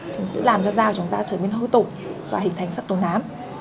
thì sẽ làm cho da của chúng ta trở nên hơi tổ và hình thành sắc tố nám